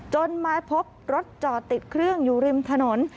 จนมาพบรถจอดติดเครื่องอยู่ริมถนน